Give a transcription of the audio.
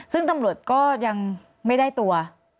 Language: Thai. ซึ่งตำรวจก็ยังไม่ได้ตัว